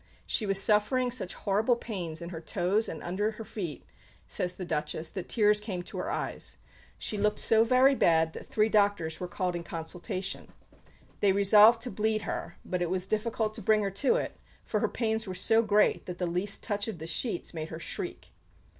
"She was suffering such horrible pains in her toes and under the feet," says the Duchess, "that tears came to her eyes. She looked so very bad that three doctors were called in consultation. They resolved to bleed her; but it was difficult to bring her to it, for her pains were so great that the least touch of the sheets made her shriek."